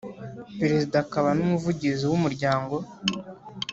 Perezida akaba n umuvugizi w umuryango